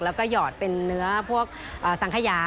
แล้วก็หยอดเป็นเนื้อพวกสังขยา